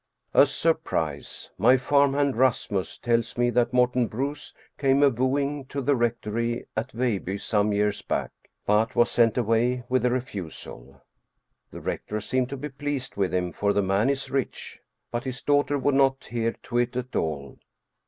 A surprise ! My farm hand Rasmus tells me that Morten Bruus came a wooing to the rectory at Veilbye some years back, but was sent away with a refusal. The rector seemed to be pleased with him, for the man is rich. But his daughter would not hear to it at all.